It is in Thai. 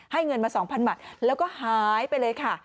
เงินมา๒๐๐บาทแล้วก็หายไปเลยค่ะ